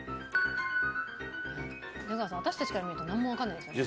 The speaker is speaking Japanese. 出川さん私たちから見るとなんもわかんないですよね。